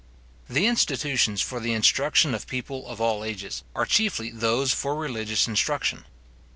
The institutions for the instruction of people of all ages, are chiefly those for religious instruction.